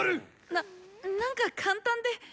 な何か簡単で。